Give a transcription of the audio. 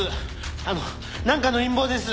あのなんかの陰謀です。